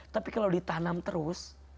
tapi kalau ditanam terus